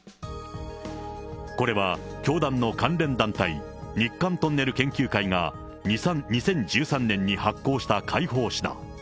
これは、教団の関連団体、日韓トンネル研究会が２０１３年に発行した会報誌だ。